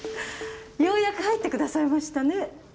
ようやく入ってくださいましたね。